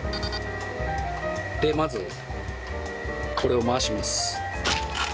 でまずこれを回します。